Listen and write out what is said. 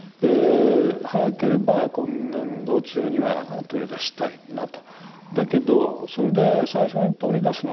早ければ今年度中には取り出したいなと。